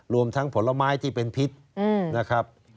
รวมทั้งผลไม้ที่เป็นพิษนะครับ